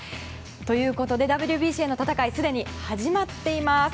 ということでＷＢＣへの戦いはすでに始まっています。